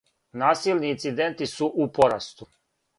Насилни инциденти су у порасту.